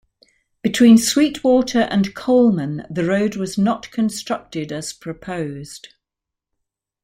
Between Sweetwater and Coleman, the road was not constructed as proposed.